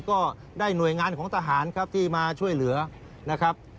ก็ได้หน่วยงานของทหารครับที่มาช่วยเหลือนะครับ